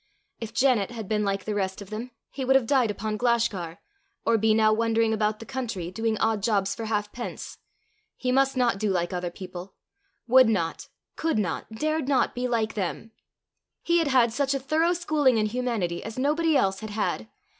If Janet had been like the rest of them, he would have died upon Glashgar, or be now wandering about the country, doing odd jobs for half pence! He must not do like other people would not, could not, dared not be like them! He had had such a thorough schooling in humanity as nobody else had had!